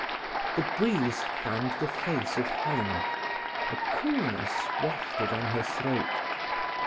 The breeze fanned the face of Helena; a coolness wafted on her throat.